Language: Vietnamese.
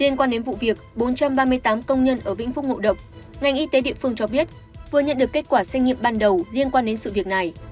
liên quan đến vụ việc bốn trăm ba mươi tám công nhân ở vĩnh phúc ngộ độc ngành y tế địa phương cho biết vừa nhận được kết quả xét nghiệm ban đầu liên quan đến sự việc này